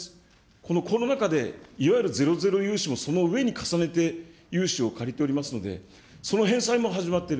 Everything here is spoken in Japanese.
このコロナ禍でいわゆるゼロゼロ融資もそのうえに重ねて融資を借りておりますので、その返済も始まっている。